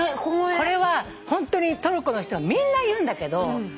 これはホントにトルコの人みんな言うんだけど。